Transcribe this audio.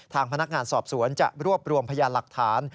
ทางพนักงานสอบสวนจะรวบรวมพยานหลักฐาน